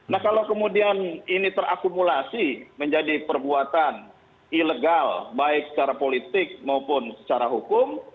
nah kalau kemudian ini terakumulasi menjadi perbuatan ilegal baik secara politik maupun secara hukum